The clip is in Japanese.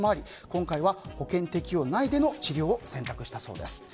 今回は保険適用内での治療を選択したそうです。